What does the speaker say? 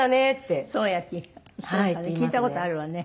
聞いた事あるわね。